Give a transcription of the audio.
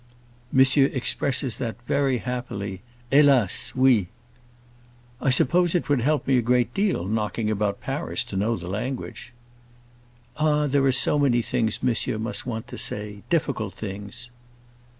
"Monsieur expresses that very happily. Hélas, oui!" "I suppose it would help me a great deal, knocking about Paris, to know the language." "Ah, there are so many things monsieur must want to say: difficult things!"